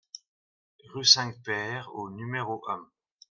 Rue Cinq-Pères au numéro un